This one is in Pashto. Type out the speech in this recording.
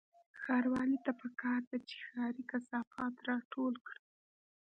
ښاروالۍ ته پکار ده چې ښاري کثافات راټول کړي